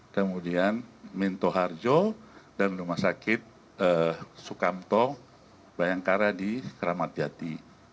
kemudian rumah sakit minto harjo dan rumah sakit sukamto bayangkara di keramatjati